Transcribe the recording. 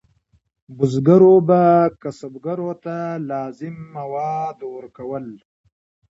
بزګرو به کسبګرو ته لازم مواد ورکول.